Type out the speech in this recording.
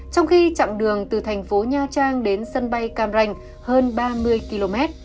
trong khi chặng đường từ thành phố nha trang đến sân bay cam ranh hơn ba mươi km